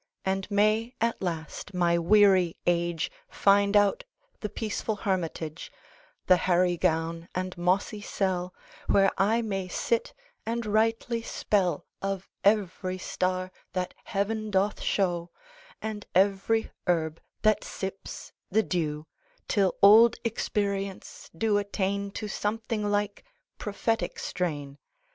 And may at last my weary age Find out the peaceful hermitage, The hairy gown and mossy cell, Where I may sit and rightly spell Of every star that heaven doth shew, And every herb that sips the dew, Till old experience do attain To something like prophetic strain.